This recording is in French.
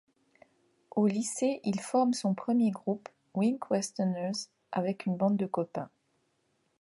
Au lycée, il forme son premier groupe, Wink Westerners, avec une bande de copains.